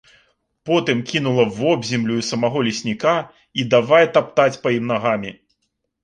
Потым кінула вобземлю і самога лесніка і давай таптаць па ім нагамі.